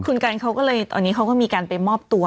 คุณกันเขาก็เลยตอนนี้เขาก็มีการไปมอบตัว